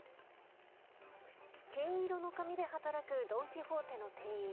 金色の髪で働くドン・キホーテの店員。